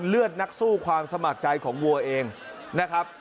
เลือดนักสู้ความสมัครใจของวัวเองนะครับ